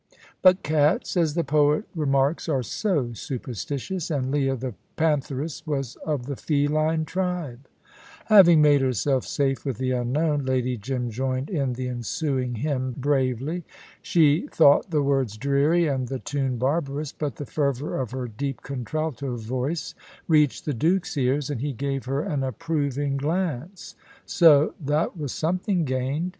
But cats, as the poet remarks, are so superstitious. And Leah the pantheress was of the feline tribe. Having made herself safe with the Unknown, Lady Jim joined in the ensuing hymn bravely. She thought the words dreary and the tune barbarous, but the fervour of her deep contralto voice reached the Duke's ears, and he gave her an approving glance; so that was something gained.